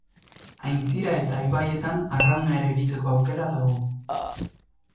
Aintzira eta ibaietan arrauna ere egiteko aukera dago.